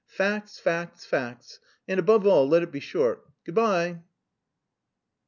Facts, facts, facts. And above all, let it be short. Good bye."